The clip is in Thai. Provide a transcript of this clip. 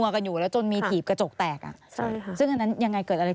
เขาก็เริ่มพุ่งเป้าคนเดียว